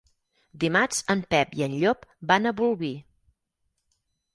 Dimarts en Pep i en Llop van a Bolvir.